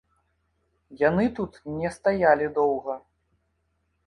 Яны тут не стаялі доўга.